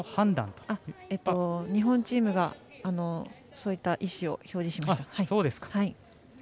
日本チームがそういった意思を表示しました。